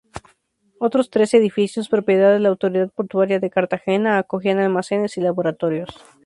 Otros tres edificios, propiedad de la Autoridad Portuaria de Cartagena acogían almacenes y laboratorios.